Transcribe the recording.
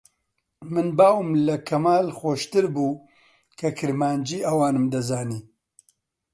من باوم لە کەمال خۆشتر بوو کە کرمانجیی ئەوانم دەزانی